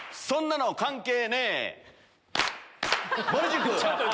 そんなの関係ねえ！